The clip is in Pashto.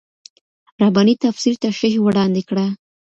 رباني تفسیر تشريح وړاندې کړه.